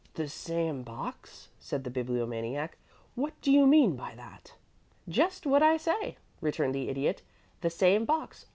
'" "The same box?" said the Bibliomaniac. "What do you mean by that?" "Just what I say," returned the Idiot. "The same box.